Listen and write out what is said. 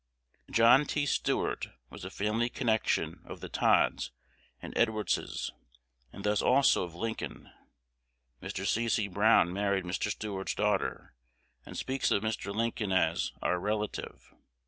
'" John T. Stuart was a family connection of the Todds and Edwardses, and thus also of Lincoln. Mr. C. C. Brown married Mr. Stuart's daughter, and speaks of Mr. Lincoln as "our relative."